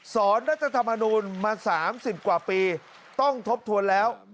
รัฐธรรมนูลมา๓๐กว่าปีต้องทบทวนแล้ว